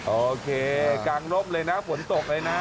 โอเคกลางร่มเลยนะฝนตกเลยนะ